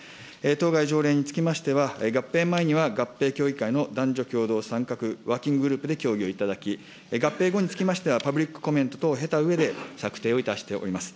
当該条例につきましては、合併前には合併協議会の男女共同参画ワーキンググループで協議をいただき、合併後につきましては、パブリックコメント等を経たうえで、策定をいたしております。